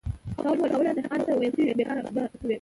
تواب وويل: په اوله کې دهقان ته ويل شوي چې بېګار به کوي.